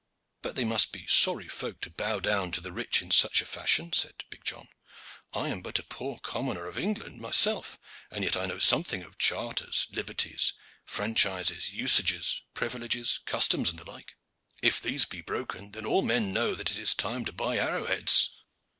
"But they must be sorry folk to bow down to the rich in such a fashion," said big John. "I am but a poor commoner of England myself, and yet I know something of charters, liberties, franchises, usages, privileges, customs, and the like. If these be broken, then all men know that it is time to buy arrow heads."